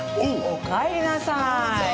おかえりなさい！